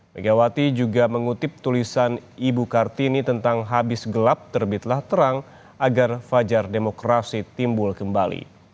megawati juga mengutip tulisan ibu kartini tentang habis gelap terbitlah terang agar fajar demokrasi timbul kembali